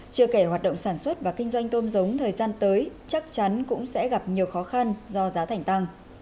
chưa kể hoạt động sản xuất và kinh doanh tôm giống thời gian tới chắc chắn cũng sẽ gặp nhiều khó khăn do giá thành tăng